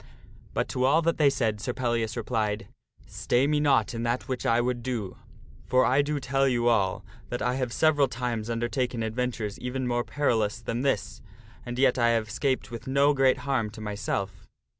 But to all that they said Sir Pellias replied, " Stay me not in that which I would do, for I do tell you all that I have several times undertaken adventures even more perilous than this and yet I have 'scaped with no great harm to myself."